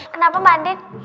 kenapa mbak andin